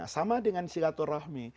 sama dengan silaturrahmi